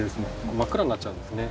真っ暗になっちゃうんですね。